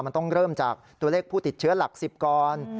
มันต้องเริ่มจากตัวเลขผู้ติดเชื้อหลัก๑๐ก่อน